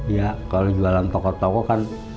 ya kalau jualan tokoh tokoh kan